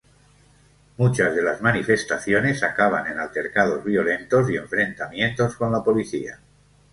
Muchas de las manifestaciones acaban en altercados violentos y enfrentamientos con la policía.